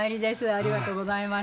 ありがとうございます。